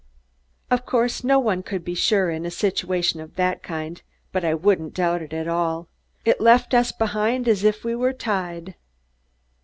"Of course, no one could be sure in a situation of that kind, but I wouldn't doubt it at all. It left us behind as if we were tied."